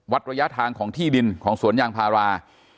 ระยะทางของที่ดินของสวนยางพารา